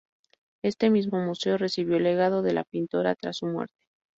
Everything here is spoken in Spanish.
Este mismo museo recibió el legado de la pintora tras su muerte.